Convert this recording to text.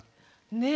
ねえ。